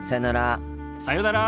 さようなら。